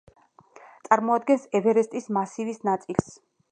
წარმოადგენს ევერესტის მასივის ნაწილს.